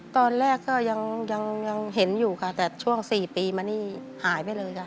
ตอนแรกก็ยังเห็นอยู่ค่ะแต่ช่วง๔ปีมานี่หายไปเลยค่ะ